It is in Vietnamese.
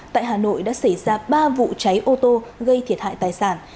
tại hà nội đã xảy ra ba vụ cháy ô tô gây thiệt hại tài sản